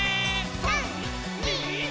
３、２、１。